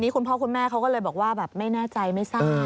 คุณพ่อคุณแม่เขาก็เลยบอกว่าแบบไม่แน่ใจไม่ทราบ